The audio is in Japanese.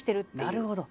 なるほど。